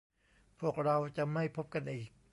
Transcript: พวกเราจะไม่พบกันอีก